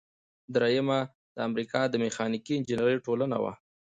دریمه د امریکا د میخانیکي انجینری ټولنه وه.